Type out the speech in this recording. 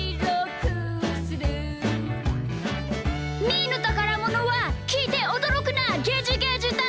「みーのたからものはきいておどろくなゲジゲジだ！」